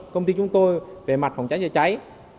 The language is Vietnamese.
công ty chúng tôi về mặt phòng cháy chữa cháy